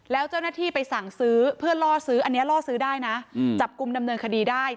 แล้วเจ้าหน้าที่ไปสั่งซื้อเพื่อล่อซื้ออันนี้ล่อซื้อได้นะจับกลุ่มดำเนินคดีได้